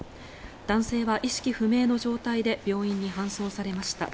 男性は意識不明の状態で病院に搬送されました。